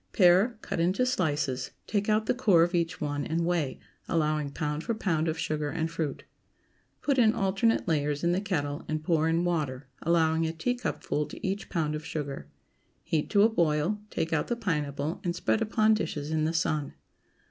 ✠ Pare, cut into slices, take out the core of each one, and weigh, allowing pound for pound of sugar and fruit. Put in alternate layers in the kettle and pour in water, allowing a teacupful to each pound of sugar. Heat to a boil; take out the pineapple and spread upon dishes in the sun.